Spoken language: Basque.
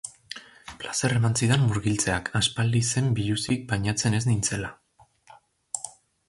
Plazer eman zidan murgiltzeak, aspaldi zen biluzik bainatzen ez nintzela.